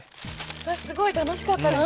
私すごい楽しかったです。